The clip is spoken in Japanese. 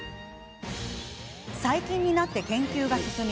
最近になって研究が進み